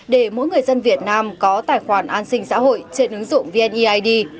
để mỗi người dân việt nam có tài khoản an sinh xã hội trên ứng dụng vneid